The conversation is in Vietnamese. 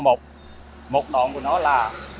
một đoạn của nó là